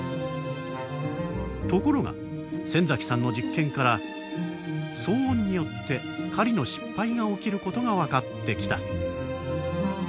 ところが先崎さんの実験から騒音によって狩りの失敗が起きることが分かってきた。